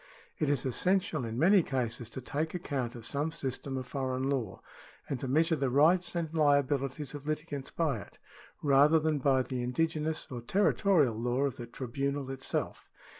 It is essential in many cases to take account of some system of foreign law, and to measure the rights and liabilities of litigants by it, rather than by the indigenous or territorial law of the tribunal itself.